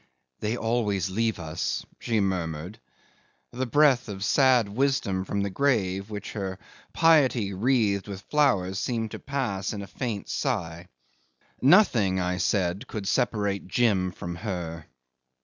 ... "They always leave us," she murmured. The breath of sad wisdom from the grave which her piety wreathed with flowers seemed to pass in a faint sigh. ... Nothing, I said, could separate Jim from her.